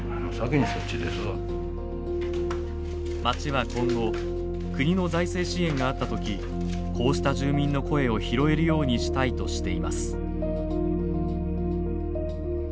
町は今後国の財政支援があった時こうした住民の声を拾えるようにしたいとしています。